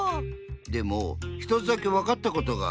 でもひとつだけわかったことがある。